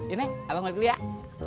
ini abang mau liat